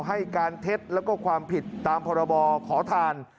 ให้การเท็จแล้วก็ความผิดตามพรบขอทาน